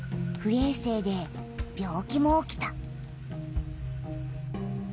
えい生で病気も起きた。